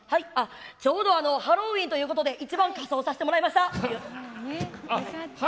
ちょうどハロウィーンということで一番、仮装させてもらいました。